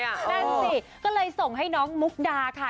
นั่นสิก็เลยส่งให้น้องมุกดาค่ะ